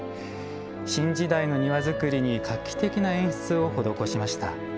新時代の庭造りに画期的な演出を施しました。